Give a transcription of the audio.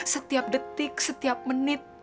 setiap detik setiap menit